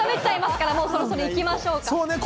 そろそろ行きましょうか。